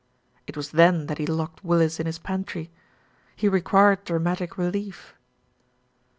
It was then that he locked Willis in his pantry. He required dramatic relief.